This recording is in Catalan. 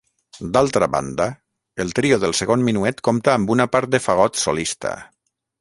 D'altra banda, el trio del segon minuet compta amb una part de fagot solista.